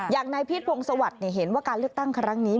อย่างนายพิษพงศวรรค์เห็นว่าการเลือกตั้งครั้งนี้